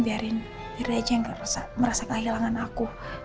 biarin dia aja yang merasa kehilangan aku